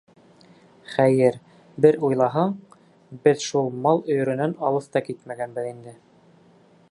Хәйер, бер уйлаһаң, беҙ шул мал өйөрөнән алыҫ та китмәгәнбеҙ инде.